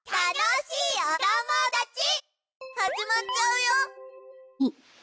始まっちゃうよ。